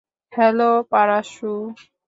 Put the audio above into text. Hello, Parasu.